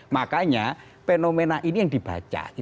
makanya fenomena ini yang dibaca